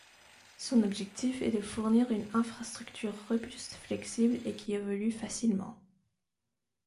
Son objectif est de fournir une infrastructure robuste, flexible et qui évolue facilement.